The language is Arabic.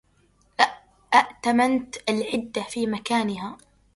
أَتَمَّتْ الْعِدَّةَ فِي مَكَانِهَا